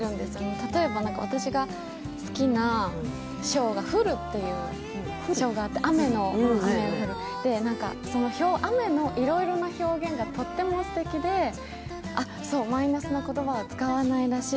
例えば私が好きな章が「降る」というのがあって雨のいろいろな表現がとってもすてきで、そう、マイナスな言葉は使わないらしい。